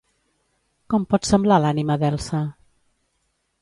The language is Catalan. Com pot semblar l'ànima d'Elsa?